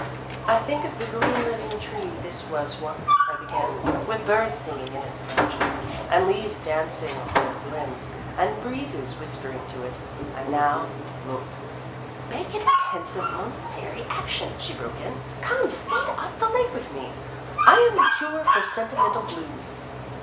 " Think of the green living tree this was once," I began, " with birds singing in its branches, and leaves dancing on its limbs, and breezes whispering to it. And now look " Make it a tense of momentary ac tion," she broke in. " Come, skate up the lake with me. I am the cure for senti mental blues."